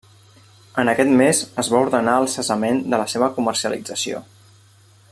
En aquest mes es va ordenar el cessament de la seva comercialització.